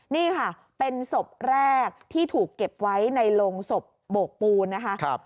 นี่ค่ะเป็นศพแรกที่ถูกเก็บไว้ในโรงศพโบกปูนนะคะ